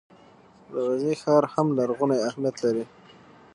د غزني ښار هم لرغونی اهمیت لري.